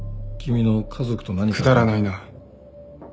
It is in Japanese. くだらないな。